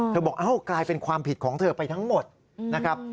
บอกเอ้ากลายเป็นความผิดของเธอไปทั้งหมดนะครับ